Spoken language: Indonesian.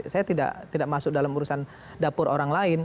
saya tidak masuk dalam urusan dapur orang lain